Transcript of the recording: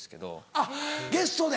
あっゲストで？